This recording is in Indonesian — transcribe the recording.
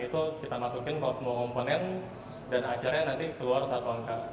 itu kita masukin kalau semua komponen dan akhirnya nanti keluar satu angka